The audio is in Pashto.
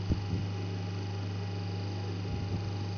کنګل شوې بکتریاوې بیا ژوندی کېدای شي.